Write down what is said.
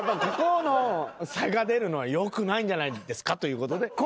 ここの差が出るのはよくないんじゃないですかということで。